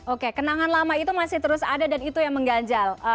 oke kenangan lama itu masih terus ada dan itu yang mengganjal